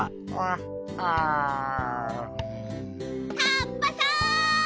カッパさん！